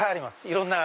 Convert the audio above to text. いろんな。